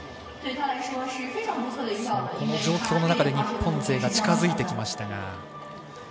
この状況の中で日本勢が近づいてきました。